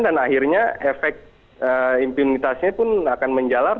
dan akhirnya efek impunitasnya pun akan menjalar